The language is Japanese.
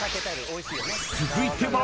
［続いては］